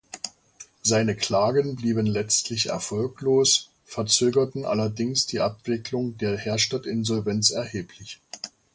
Seine Klagen blieben letztlich erfolglos, verzögerten allerdings die Abwicklung der Herstatt-Insolvenz erheblich.